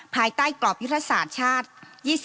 ภายใต้กรอบยุทธศาสตร์ชาติ